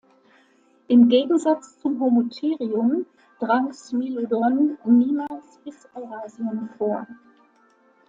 Im Gegensatz zum "Homotherium" drang "Smilodon" niemals bis Eurasien vor.